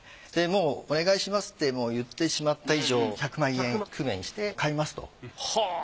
もうお願いしますって言ってしまった以上１００万円工面して買いますと。